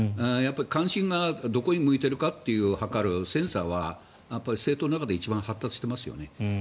関心がどこに向いているかと測るセンサーは政党の中で一番発達してますよね